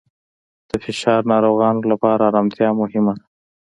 د فشار ناروغانو لپاره آرامتیا مهمه ده.